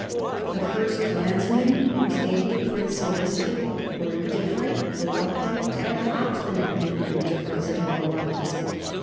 The first clansmen whose aid the prince so licited were indifferent, reluctant, and obstinate in their indifference and reluctance.